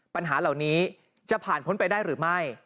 ปัญหาเหล่านี้จะผ่านพ้นไปได้หรือไม่